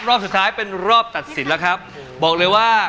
รอบสุดท้ายเป็นรอบตัดสินแล้วครับ